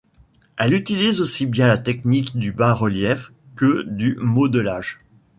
Elle utilise aussi bien la technique du bas-relief que du modelage.